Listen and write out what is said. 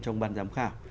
trong ban giám khảo